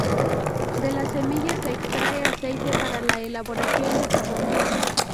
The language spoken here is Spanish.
De la semilla se extrae aceite para la elaboración de jabón.